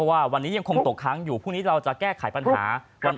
ว่าวันนี้ยังคงตกค้างอยู่พรุ่งนี้เราจะแก้ไขปัญหา